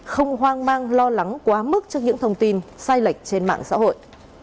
không hoang mang lo lắng quá mức cho những thông tin sai lệch trên mạng xã hội